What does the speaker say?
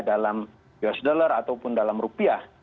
dalam us dollar ataupun dalam rupiah